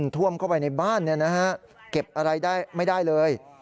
ท่วมเข้าไปในบ้านเก็บอะไรได้ไม่ได้เลย